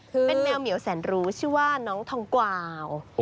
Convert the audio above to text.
เป็นแมวเหมียวแสนรู้ชื่อว่าน้องทองกวาว